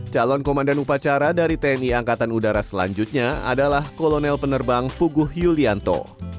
calon komandan upacara dari tni angkatan udara selanjutnya adalah kolonel penerbang fuguh yulianto